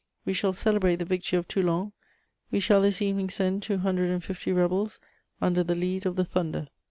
....... "We shall celebrate the victory of Toulon; we shall this evening send two hundred and fifty rebels under the lead of the thunder."